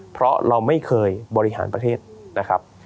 เพราะเราไม่เคยบริหารประเทศนะครับ